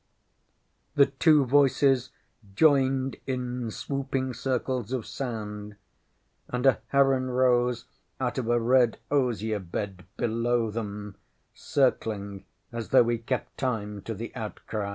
The two voices joined in swooping circles of sound, and a heron rose out of a red osier bed below them, circling as though he kept time to the outcry.